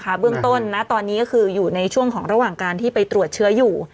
เบื้องต้นนะตอนนี้ก็คืออยู่ในช่วงของระหว่างการที่ไปตรวจเชื้ออยู่